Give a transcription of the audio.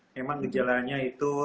memang gejalanya itu